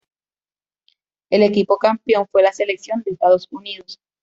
El equipo campeón fue la selección de Estados Unidos.